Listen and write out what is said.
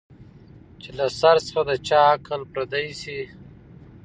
چي له سر څخه د چا عقل پردی سي